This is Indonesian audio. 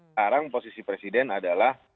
sekarang posisi presiden adalah